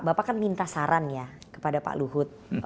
bapak kan minta saran ya kepada pak luhut